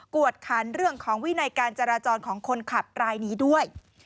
วดขันเรื่องของวินัยการจราจรของคนขับรายนี้ด้วย